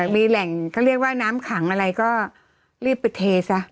มีแหล่งเขาเรียกว่าน้ำขังอะไรก็รีบไปเทซะ